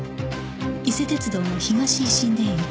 伊勢鉄道の東一身田駅